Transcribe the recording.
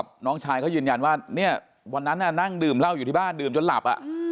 น้องชายเขายืนยันว่าเนี่ยวันนั้นนั่งดื่มเหล้าอยู่ที่บ้านดื่มจนหลับ